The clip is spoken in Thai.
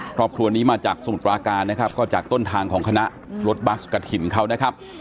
ครอบครัวนี้มาจากสมุทรปราการนะครับก็จากต้นทางของคณะรถบัสกระถิ่นเขานะครับ